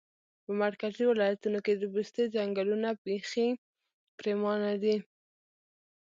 په مرکزي ولایتونو کې د پوستې ځنګلونه پیخي پرېمانه دي